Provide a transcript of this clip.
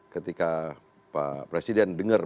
ketika pak presiden dengar